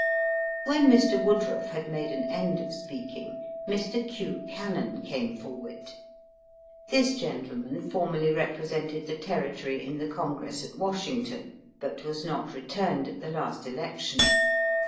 When Mr. Woodruff had made an end of speaking, Mr. Q. Cannon came forward. This gentleman formerly represented the Territory in the Congress at WashiDgton, but was not returned at the last election.